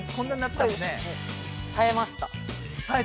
たえました。